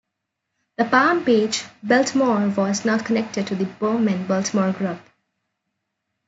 The Palm Beach Biltmore was not connected to the Bowman Biltmore group.